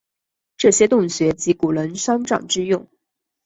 这些洞穴即古人丧葬之用。